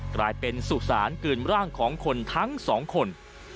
กลายเป็นสุสานกลืนร่างของคนทั้งสองคน